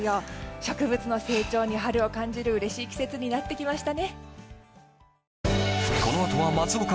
植物の成長に春を感じるうれしい季節になってきました。